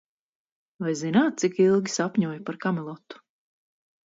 Vai zināt, cik ilgi sapņoju par Kamelotu?